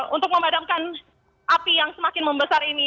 untuk memadamkan api yang semakin membesar ini